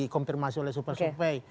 kompirmasi oleh super subway